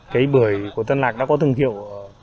cái bưởi của tân lạc đã có thương hiệu